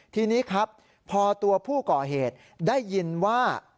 ทีนี้ครับพอตัวผู้ก่อเหตุได้ยินว่า